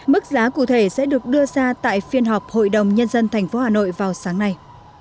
mức giá cụ thể sẽ được đưa ra tại phiên họp hội đồng nhân dân tp hà nội vào sáng nay